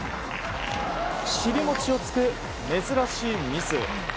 尻もちをつく珍しいミス。